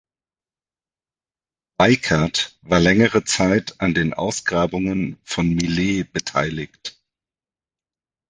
Weickert war längere Zeit an den Ausgrabungen von Milet beteiligt.